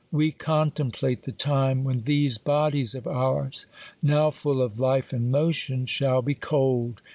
We contemplate the time, when these bodies of ours, now full of life and motion, shall be cold.